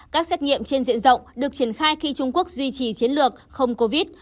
các xét nghiệm trên diện rộng được triển khai khi trung quốc duy trì chiến lược không covid